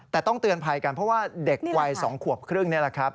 แต่ต้องเตือนภัยกันเพราะว่าเด็กวัย๒ขวบครึ่งนี่แหละครับ